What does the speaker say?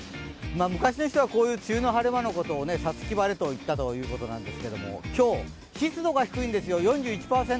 昔の人はこういう梅雨の晴れ間のことを五月晴れと言ったということなんですが、今日、湿度が低いんですよ４１％。